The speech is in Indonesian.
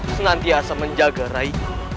senantiasa menjaga rai